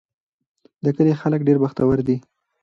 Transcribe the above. د کلي خلک ډېر بختور دي.